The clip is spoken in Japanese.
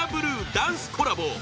ダンスコラボ